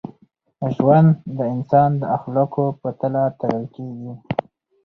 ژوند د انسان د اخلاقو په تله تلل کېږي.